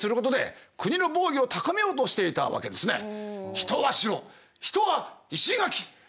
人は城人は石垣！